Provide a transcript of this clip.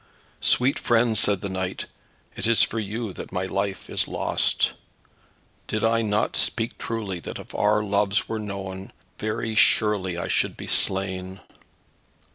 "Sweet friend," said the knight, "it is for you that my life is lost. Did I not speak truly that if our loves were known, very surely I should be slain?"